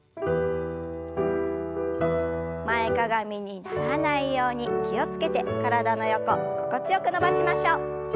前かがみにならないように気を付けて体の横心地よく伸ばしましょう。